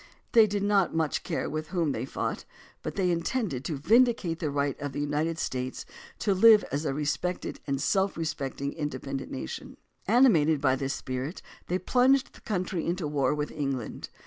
They did not care much with whom they fought, but they intended to vindicate the right of the United States to live as a respected and self respecting inde pendent nation. Animated by this spirit, they plunged the country into war with England.